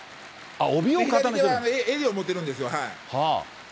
えりを持ってるんですよ。